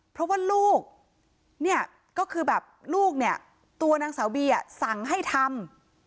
เพราะว่าลูกเนี่ยก็คือแบบลูกเนี่ยตัวนางสาวบีสั่งให้ทำ